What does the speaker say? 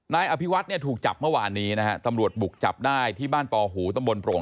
นายอภิวัฒน์ถูกจับเมื่อวานนี้นะคะธรรมดบุกจับได้ที่บ้านปอหูต้ำบลประอุงตาลอง